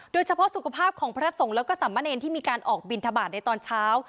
โดยเฉพาะสุขภาพของพระทัศงแล้วก็สัมมาเนรที่มีการออกบินทะบาทในตอนเช้า